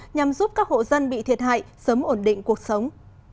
nhằm giúp các hộ dân bị thiệt hại sớm ổn định cuộc sống